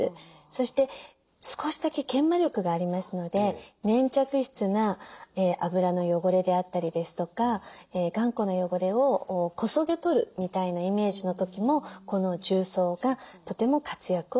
そして少しだけ研磨力がありますので粘着質な油の汚れであったりですとか頑固な汚れをこそげ取るみたいなイメージの時もこの重曹がとても活躍をしてくれます。